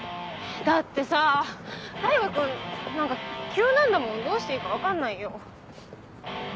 だってさぁ大牙君何か急なんだもんどうしていいか分かんないよ。